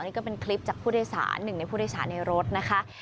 นี่ก็เป็นคลิปจากผู้โดยสารหนึ่งในผู้โดยสารในรถนะคะ